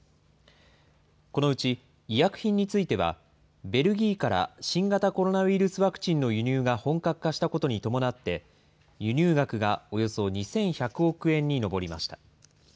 このうち医薬品については、ベルギーから新型コロナウイルスワクチンの輸入が本格化したことに伴って、輸入額がおよそ２１００億円に上りました。